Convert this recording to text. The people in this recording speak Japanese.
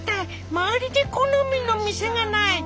周りで好みの店がない！」。